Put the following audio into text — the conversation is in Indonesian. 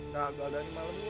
gagal dari malem gue